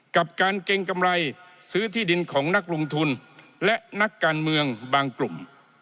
กับการเกรงกำไรซื้อที่ดินของนักลงทุนและนักการเมืองบางกลุ่ม